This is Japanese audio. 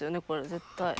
これ絶対。